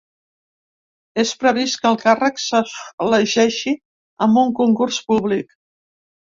És previst que el càrrec s’elegeixi amb un concurs públic.